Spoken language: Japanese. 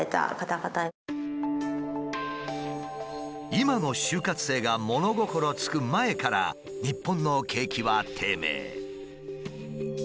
今の就活生が物心つく前から日本の景気は低迷。